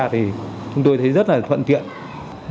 thì chúng tôi thấy rất là thuận tiện